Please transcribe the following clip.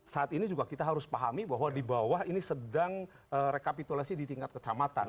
saat ini juga kita harus pahami bahwa di bawah ini sedang rekapitulasi di tingkat kecamatan